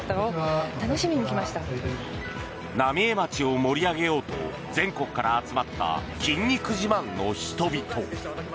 浪江町を盛り上げようと全国から集まった筋肉自慢の人々。